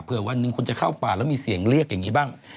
เพื่อวันหนึ่งคนจะเข้าป่าแล้วมีเสียงเรียกอย่างนี้บ้าง